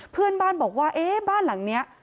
เพื่อนบ้านบอกว่าเอ๊ะบ้านหลังนี้